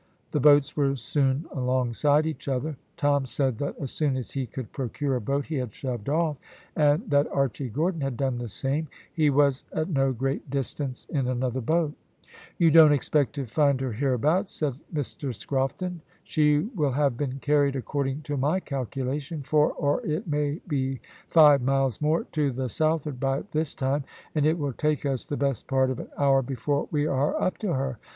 The boats were soon alongside each other. Tom said that as soon as he could procure a boat he had shoved off, and that Archy Gordon had done the same he was at no great distance in another boat. "You don't expect to find her hereabouts," said Mr Scrofton. "She will have been carried according to my calculation, four or it may be five miles more to the southward by this time, and it will take us the best part of an hour before we are up to her.